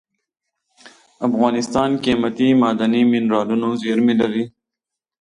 افغانستان قیمتي معدني منرالونو زیرمې لري.